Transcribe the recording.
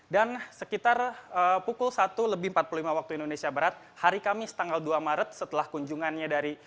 dan sekitar pukul satu lebih empat puluh lima waktu indonesia barat hari kamis tanggal dua maret setelah kunjungannya dari